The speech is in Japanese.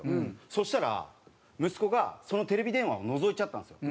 そしたら息子がそのテレビ電話をのぞいちゃったんですよ。